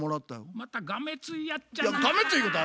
またがめついやっちゃなぁ。